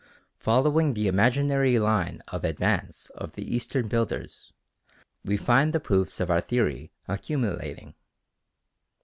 Following the imaginary line of advance of the Eastern builders, we find the proofs of our theory accumulating.